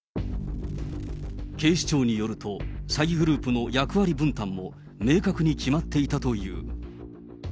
警視庁によると、詐欺グループの役割分担も明確に決まっていたという。